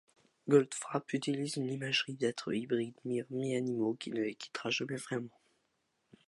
Goldfrapp utilise une imagerie d'êtres hybrides, mi-hommes, mi-animaux qui ne les quittera jamais vraiment.